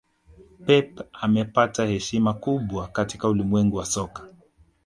Pep amepata heshima kubwa katika ulimwengu wa soka